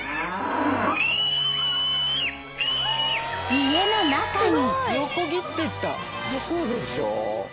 ［家の中に］